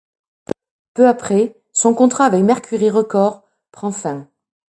Peu après, son contrat avec Mercury Records prend fin.